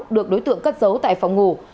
được đối tượng cất giấu tại phòng ngủ